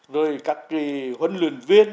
rồi các kỳ huấn luyện viên